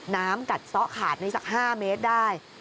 น้ำกัดซ้อขาดในสัก๕เมตรได้